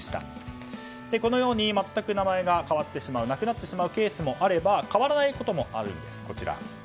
このように全く名前が変わってしまうなくなってしまうケースもあれば変わらないこともあるんです。